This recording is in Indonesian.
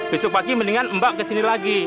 besok pagi mendingan mbak kesini lagi